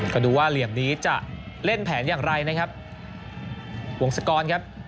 ก็ดูว่าเหลี่ยมนี้จะเล่นแผนอย่างไรนะครับวงศกรครับ